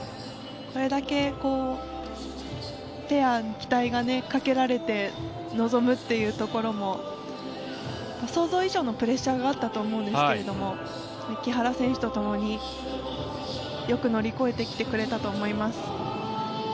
これだけペアに期待がかけられて臨むというところも想像以上のプレッシャーがあったと思うんですけど木原選手とともによく乗り越えてきてくれたと思います。